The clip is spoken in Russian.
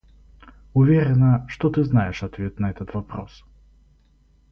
Уверена, что ты знаешь ответ на этот вопрос.